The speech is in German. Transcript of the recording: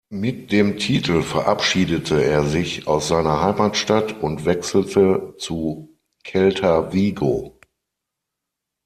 Mit dem Titel verabschiedete er sich aus seiner Heimatstadt und wechselte zu Celta Vigo.